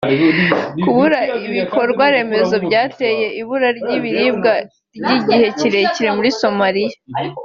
kubura ibikorwa remezo byateye ibura ry’ibiribwa ry’igihe kirekire muri Somalia